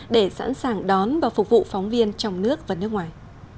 để sẵn sàng đón và phục vụ phóng viên trong nước và nước ngoài